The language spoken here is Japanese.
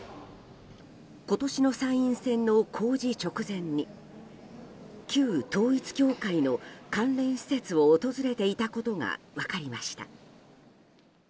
今年の参院選の公示直前に旧統一教会の関連施設を訪れていたことが分かりました。